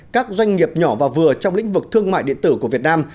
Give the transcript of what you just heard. các doanh nghiệp nhỏ và vừa trong lĩnh vực thương mại điện tử của việt nam